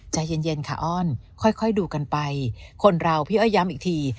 ใจเย็นค่ะอ้อนค่อยดูกันไปคนเราพี่อ้อยย้ำอีกที